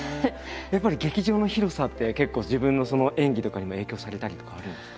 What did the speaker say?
やっぱり劇場の広さって結構自分の演技とかにも影響されたりとかはあるんですか？